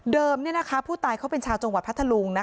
ผู้ตายเขาเป็นชาวจังหวัดพัทธลุง